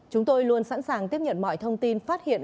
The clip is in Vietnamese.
chúng tôi luôn sẵn sàng tiếp nhận mọi thông tin phát hiện